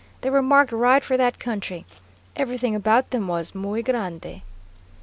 They were marked right for that country. Everything about them was muy grande.